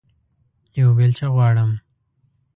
یوه بیلچه غواړم